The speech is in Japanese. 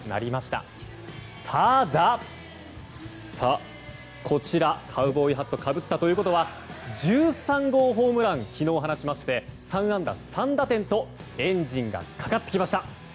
ただ、こちらカウボーイハットを被ったということは１３号ホームランを昨日、放ちまして３安打３打点とエンジンがかかってきました。